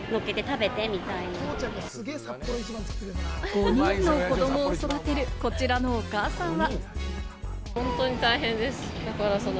５人の子どもを育てる、こちらのお母さんは。